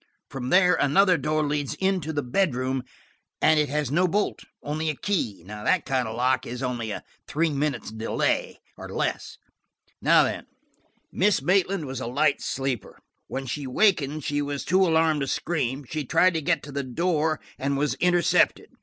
From there another door leads into the bedroom, and it has no bolt–only a key. That kind of a lock is only a three minutes delay, or less. Now then, Miss Maitland was a light sleeper. When she wakened she was too alarmed to scream; she tried to get to the door and was intercepted.